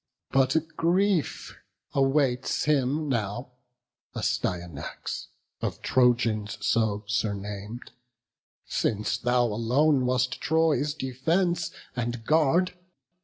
But grief, his father lost, awaits him now, Astyanax, of Trojans so surnam'd, Since thou alone wast Troy's defence and guard.